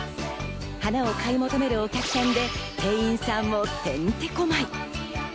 花を買い求めるお客さんで店員さんもてんてこまい。